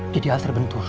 jadi alat terbentur